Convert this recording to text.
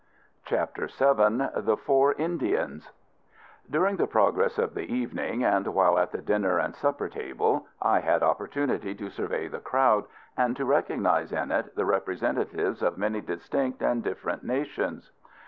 CHAPTER VII. THE FOUR INDIANS. During the progress of the evening, and while at the dinner and supper table, I had opportunity to survey the crowd, and to recognize in it the representatives of many distinct and different nations.